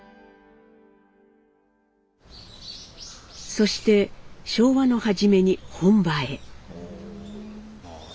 そして昭和の初めに本場へ。